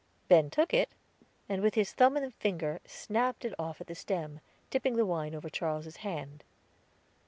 Ben took it, and with his thumb and finger snapped it off at the stem, tipping the wine over Charles's hand.